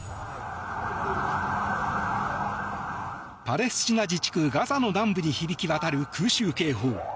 パレスチナ自治区ガザの南部に響き渡る空襲警報。